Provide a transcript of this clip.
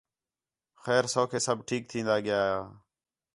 خیر سَوکھے سب ٹھیک تِھین٘دا ڳِیا ہا